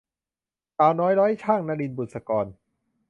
สาวน้อยร้อยชั่ง - นลิน บุษกร